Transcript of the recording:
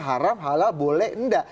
haram halal boleh tidak